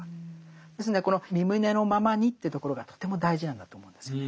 ですんでこのみ旨のままにというところがとても大事なんだと思うんですよね。